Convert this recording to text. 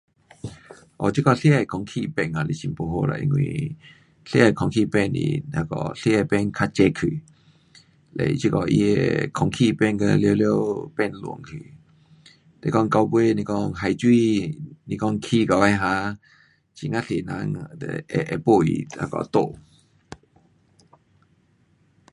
哦，这个世界空气变也是很不好啦，因为世界空气变是那个世界变较热去。嘞它这个它的空气变到完了变乱去。是讲九月来讲海水是讲起起来哈，很呀多人就会，会没位那个住。